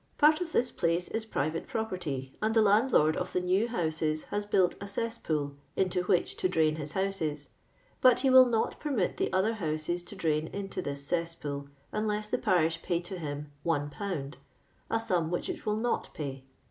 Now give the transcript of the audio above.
— ^Part of this place is private property, and tlie landlord of the new houses has built a cesspool, into which to drain his houses, but he will not permit the other houses to drain into this cesspool, unless the parish pay to him 1/., a sum which it will not pay."